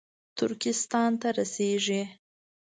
ترکستان ته رسېږي